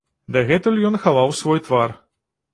Дагэтуль ён хаваў свой твар.